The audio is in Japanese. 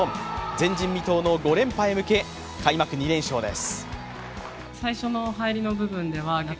前人未到の５連覇へ向け、開幕２連勝です。